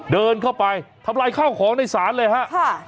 เดินเข้าไปทำลายข้าวของในศาลเลยฮะ